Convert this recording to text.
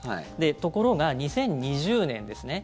ところが、２０２０年ですね